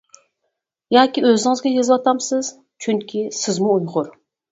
ياكى ئۆزىڭىزگە يېزىۋاتامسىز، چۈنكى سىزمۇ ئۇيغۇر.